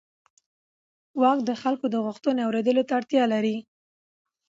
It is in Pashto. واک د خلکو د غوښتنو اورېدلو ته اړتیا لري.